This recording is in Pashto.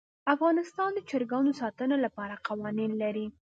افغانستان د چرګانو د ساتنې لپاره قوانین لري.